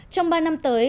trong ba năm tới